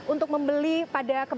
untuk membeli pada saat ini